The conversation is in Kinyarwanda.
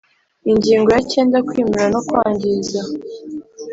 Ingingo ya cyenda Kwimura no kwangiza